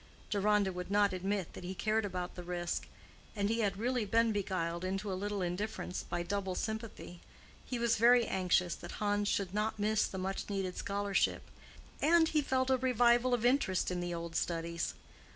Deronda would not admit that he cared about the risk, and he had really been beguiled into a little indifference by double sympathy: he was very anxious that Hans should not miss the much needed scholarship, and he felt a revival of interest in the old studies.